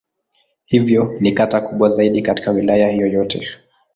Hivyo ni kata kubwa zaidi katika Wilaya hiyo yote.